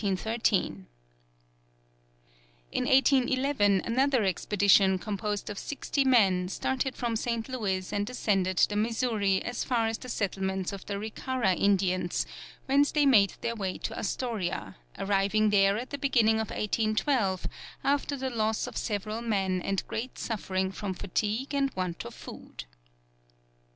In 1811, another expedition composed of sixty men, started from St. Louis and ascended the Missouri as far as the settlements of the Ricara Indians, whence they made their way to Astoria, arriving there at the beginning of 1812, after the loss of several men and great suffering from fatigue and want of food.